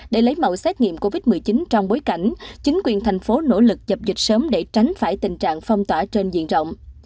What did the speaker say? để lấy mẫu xét nghiệm covid một mươi chín trong bối cảnh chính quyền thành phố nỗ lực dập dịch sớm để tránh phải tình trạng phong tỏa trên diện rộng